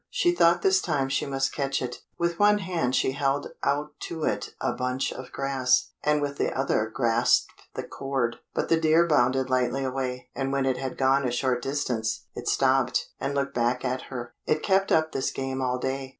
She thought this time she must catch it: with one hand she held out to it a bunch of grass, and with the other grasped the cord; but the deer bounded lightly away, and when it had gone a short distance, it stopped, and looked back at her. It kept up this game all day.